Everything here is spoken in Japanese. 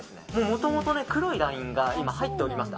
もともと黒いラインが今入っております。